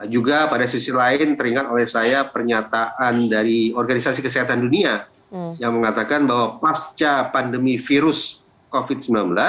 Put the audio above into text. juga pada sisi lain teringat oleh saya pernyataan dari organisasi kesehatan dunia yang mengatakan bahwa pasca pandemi virus covid sembilan belas